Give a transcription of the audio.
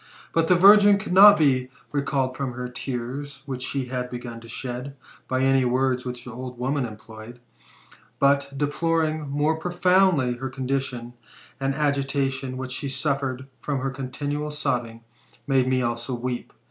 But the virgin could not be recalled from the tears which she had begun to shed, by any words which the old woman employed; but, deploring more profoundly her condition, the agitation which she suffered from her continual sobbing made me also weep.